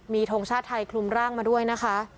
มีทงชาติไทยคลุมร่างมาด้วยนะคะ